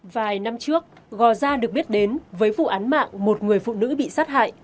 vài năm trước gò gia được biết đến với vụ án mạng một người phụ nữ bị sát hại